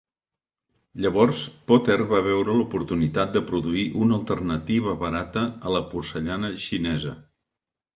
Llavors, Potter va veure l'oportunitat de produir una alternativa barata a la porcellana xinesa.